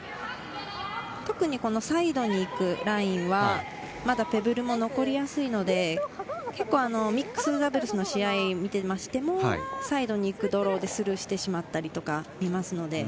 特にサイドに行くラインはまだペブルも残りやすいので、ミックスダブルスの試合を見ていても、サイドに行くドローでスルーしてしまったりとかを見ます。